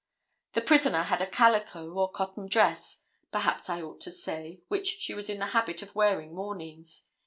The prisoner had a calico, or cotton dress, perhaps I ought to say, which she was in the habit of wearing mornings.